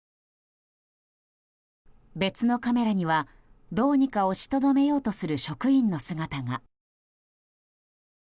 別のカメラにはどうにか押しとどめようとする職員の姿が。